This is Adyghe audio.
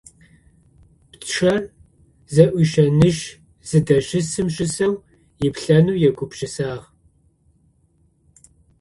Пчъэр зэӏуищэинышъ зыдэщысым щысэу иплъэнэу егупшысагъ.